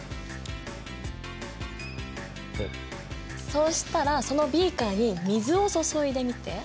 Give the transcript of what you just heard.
そうしたらそのビーカーに水を注いでみて。